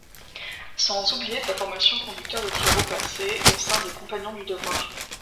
Sans oublier sa formation Conducteur de travaux passée au sein des Compagnons du Devoir.